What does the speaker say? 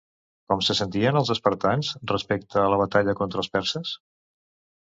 Com se sentien els espartans respecte a la batalla contra els perses?